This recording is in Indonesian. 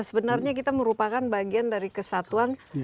sebenarnya kita merupakan bagian dari kesatuan